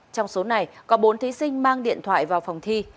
trong số này có bốn thí sinh mang điện thoại vào phòng thi